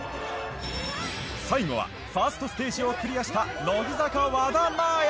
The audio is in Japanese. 最後はファーストステージをクリアした乃木坂和田まあや。